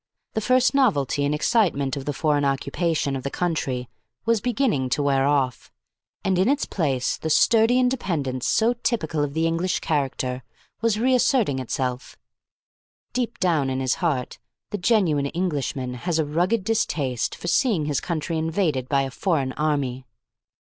The first novelty and excitement of the foreign occupation of the country was beginning to wear off, and in its place the sturdy independence so typical of the British character was reasserting itself. Deep down in his heart the genuine Englishman has a rugged distaste for seeing his country invaded by a foreign army.